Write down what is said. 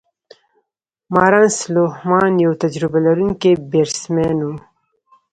مارنس لوهمان یو تجربه لرونکی بیټسمېن وو.